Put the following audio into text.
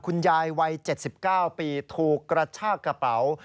คุณยายวัย๗๙ปีถูกกระชากระเป๋า